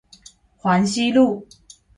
環西路